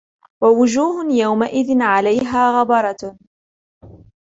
وَوُجُوهٌ يَوْمَئِذٍ عَلَيْهَا غَبَرَةٌ